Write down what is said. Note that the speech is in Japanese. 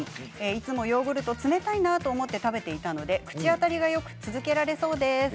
いつもヨーグルト冷たいなと思って食べていたので口当たりがよく続けられそうです。